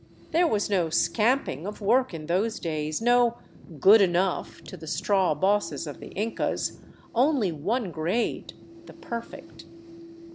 There was no " scamping " of work in those days, no " good enough " to the straw bosses of the Incas, only one grade, — the perfect.